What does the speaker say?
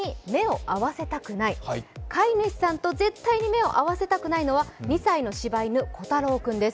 飼い主さんと絶対に目を合わせたくないのは２歳のしば犬、こたろー君です。